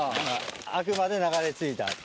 あくまで流れ着いた。